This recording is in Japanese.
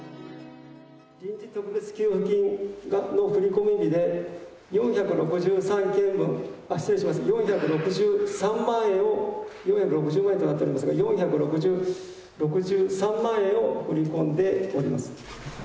臨時特別給付金の振り込み日で４６３件分、失礼しました、４６３万円を、４６０万円となっておりますが、４６３万円を振り込んでおります。